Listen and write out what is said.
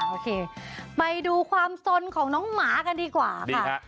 โอเคไปดูความสนของน้องหมากันดีกว่านี่ฮะ